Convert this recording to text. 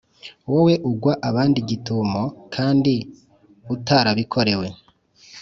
wowe ugwa abandi gitumo, kandi utarabikorewe.